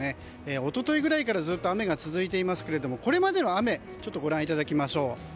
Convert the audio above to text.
一昨日ぐらいからずっと雨が続いていますけれどもこれまでの雨ご覧いただきましょう。